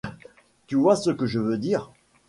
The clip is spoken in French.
Tu vois ce que je veux dire.